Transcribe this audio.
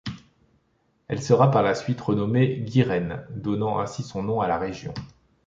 Elle sera par la suite renommée Guiren, donnant ainsi son nom à la région.